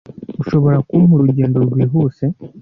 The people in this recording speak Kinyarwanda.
Ushobora kumpa urugendo rwihuse?